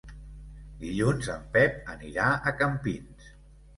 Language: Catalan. Dilluns en Pep anirà a Campins.